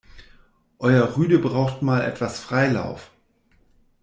Euer Rüde braucht mal etwas Freilauf.